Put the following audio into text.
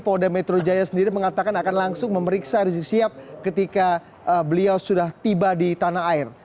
polda metro jaya sendiri mengatakan akan langsung memeriksa rizik sihab ketika beliau sudah tiba di tanah air